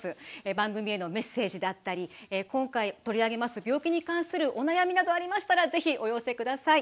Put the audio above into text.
番組へのメッセージであったり今回取り上げます病気に関するお悩みなどありましたらぜひお寄せください。